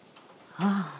ああ。